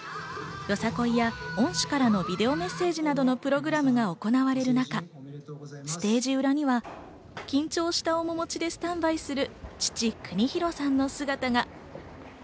よさこいや恩師からのビデオメッセージなどのプログラムが行われる中、ステージ裏には緊張した面持ちでスタンバイする父・国博さんの姿が。